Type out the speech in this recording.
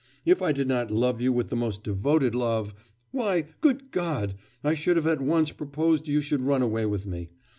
If I did not love you with the most devoted love why, good God! I should have at once proposed you should run away with me....